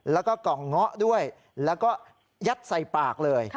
แล้วก็กล่องเงาะด้วยแล้วก็ยัดใส่ปากเลย